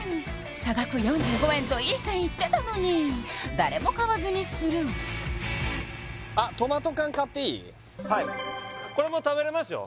差額４５円といい線いってたのに誰も買わずにスルーはいこれも食べれますよ